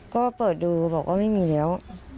ก็เปิดดูบอกว่าไม่มีแล้ว